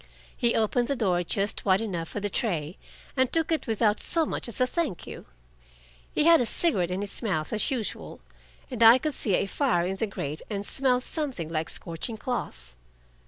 He opened the door just wide enough for the tray, and took it without so much as a "thank you." He had a cigarette in his mouth as usual, and I could see a fire in the grate and smell something like scorching cloth.